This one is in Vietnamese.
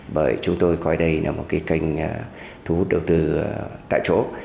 bởi chúng tôi coi đây là một cái kênh thu hút đầu tư tại chỗ